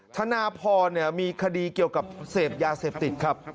ธนาพรมีคดีเกี่ยวกับเสพยาเสพติดครับ